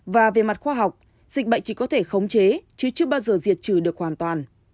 và về mặt khoa học dịch bệnh chỉ có thể khống chế chứ chưa bao giờ diệt trừ được hoàn toàn